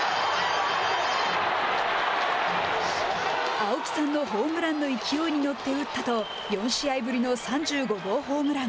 「青木さんのホームランの勢いに乗って打った」と４試合ぶりの３５号ホームラン。